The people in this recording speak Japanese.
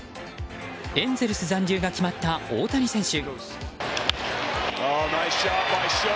エンゼルス残留が決まった大谷選手。